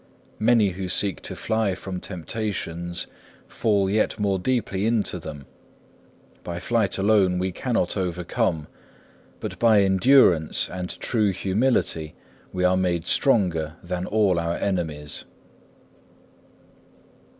Many who seek to fly from temptations fall yet more deeply into them. By flight alone we cannot overcome, but by endurance and true humility we are made stronger than all our enemies.